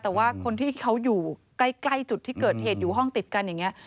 แต่ว่าคนที่เขาอยู่ใกล้จุดที่เกิดเหตุอยู่ห้องติดกันอย่างนี้